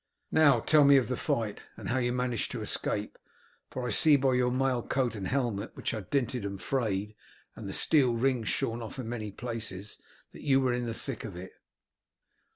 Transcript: Now tell me of the fight, and how you managed to escape, for I see by your mail coat and helmet, which are dinted and frayed and the steel rings shorn off in many places, that you were in the thick of it."